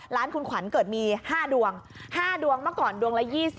ร้านคุณขวัญเกิดมี๕ดวง๕ดวงเมื่อก่อนดวงละ๒๐